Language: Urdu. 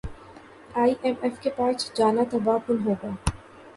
ئی ایم ایف کے پاس جانا تباہ کن ہوگا